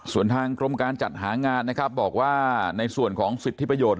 ส่วนทางกรมการจัดหางานนะครับบอกว่าในส่วนของสิทธิประโยชน